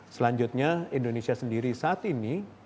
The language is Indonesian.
selanjutnya indonesia sendiri saat ini